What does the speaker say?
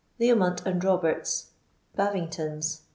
Leomont and Roberts's, Baving tons'.